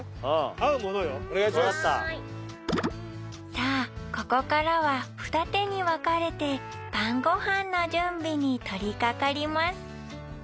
さあここからは手に分かれて晩ご飯の準備に取りかかります